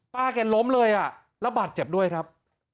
ป้าแกล้มล้มเลยแล้วบาดเจ็บด้วยครับ